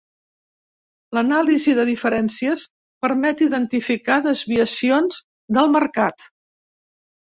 L'anàlisi de diferències permet identificar desviacions del mercat.